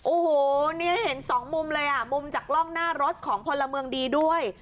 โอ้โหนี่ให้เห็นสองมุมเลยอ่ะมุมจากกล้องหน้ารถของพลเมืองดีด้วย